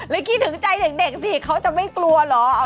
คิดถึงใจเด็กสิเขาจะไม่กลัวเหรอ